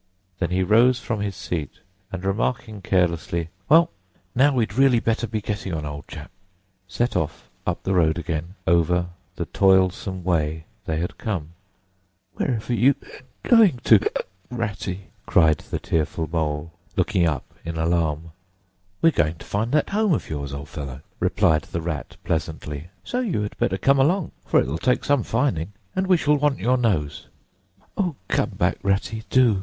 Then he rose from his seat, and, remarking carelessly, "Well, now we'd really better be getting on, old chap!" set off up the road again, over the toilsome way they had come. "Wherever are you (hic) going to (hic), Ratty?" cried the tearful Mole, looking up in alarm. "We're going to find that home of yours, old fellow," replied the Rat pleasantly; "so you had better come along, for it will take some finding, and we shall want your nose." "Oh, come back, Ratty, do!"